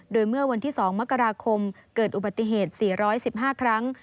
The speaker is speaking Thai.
โดยเมื่อวันที่๒มกราคมเกิดอุบัติเหตุ๔๑๕ครั้ง